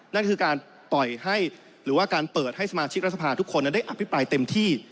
นั่นคือการปล่อยให้หรือว่าการเปิดให้สมาชิกรัฐสภาทุกคนนั้นได้อภิปรายเต็มที่